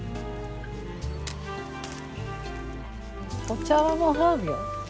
お茶はもうハーブよ。